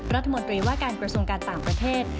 รัฐมนตรีว่าการกระทรวงการต่างประเทศ